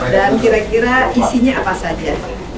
dan kira kira isinya apa saja